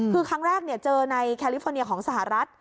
คือครั้งแรกเจอในแคลิฟอร์เนียของสหรัฐ